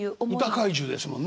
歌怪獣ですもんね。